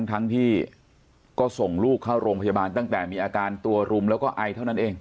ทั้งที่ก็ส่งลูกเข้าโรงพยาบาลตั้งแต่มีอาการตัวรุมแล้วก็ไอเท่านั้นเอง